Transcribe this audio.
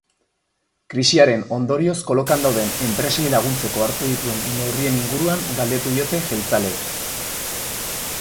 Krisiaren ondorioz kolokan dauden enpresei laguntzeko hartu dituen neurrien inguruan galdetu diote jeltzaleek.